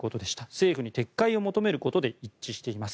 政府に撤回を求めることで一致しています。